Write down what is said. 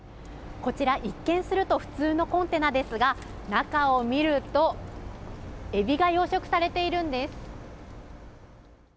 こちら一見すると普通のコンテナですが中を見るとえびが養殖されているんです。